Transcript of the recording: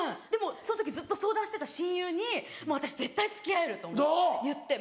その時ずっと相談してた親友に私絶対付き合えると思うって言って。